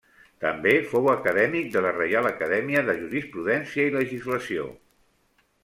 També fou acadèmic de la Reial Acadèmia de Jurisprudència i Legislació.